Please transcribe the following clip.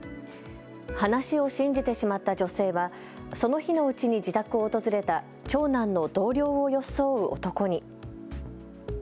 話を信じてしまった女性はその日のうちに自宅を訪れた長男の同僚を装う男に。